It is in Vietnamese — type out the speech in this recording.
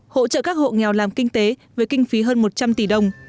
hỗ trợ các hộ nghèo làm kinh tế với kinh phí hơn một trăm linh tỷ đồng